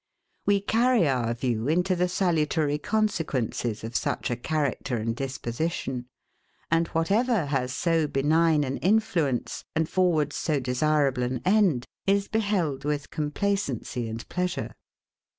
We carry our view into the salutary consequences of such a character and disposition; and whatever has so benign an influence, and forwards so desirable an end, is beheld with complacency and pleasure.